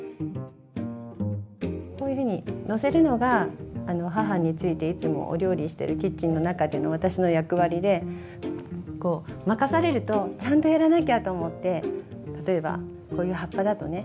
こういうふうにのせるのが母に付いていつもお料理してるキッチンの中での私の役割でこう任されるとちゃんとやらなきゃと思って例えばこういう葉っぱだとね